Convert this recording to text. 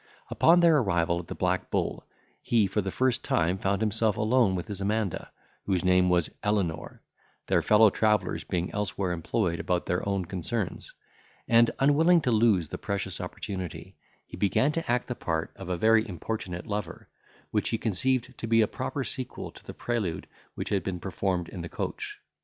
Upon their arrival at the Black Bull, he for the first time found himself alone with his Amanda, whose name was Elenor, their fellow travellers being elsewhere employed about their own concerns; and, unwilling to lose the precious opportunity, he began to act the part of a very importunate lover, which he conceived to be a proper sequel to the prelude which had been performed in the coach.